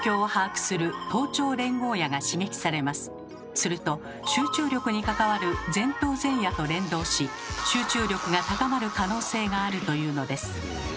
すると集中力に関わる前頭前野と連動し集中力が高まる可能性があるというのです。